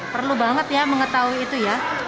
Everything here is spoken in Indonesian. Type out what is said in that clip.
perlu banget ya mengetahui itu ya